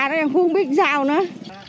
nó không biết sao nữa